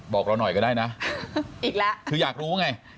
บอกเราหน่อยก็ได้นะอีกแล้วคืออยากรู้ไง